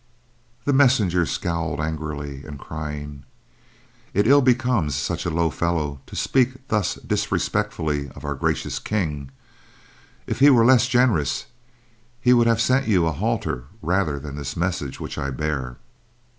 The messenger scowled angrily, crying: "It ill becomes such a low fellow to speak thus disrespectfully of our gracious King. If he were less generous, he would have sent you a halter rather than this message which I bear."